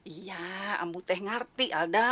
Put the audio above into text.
iya ambu teh ngerti alda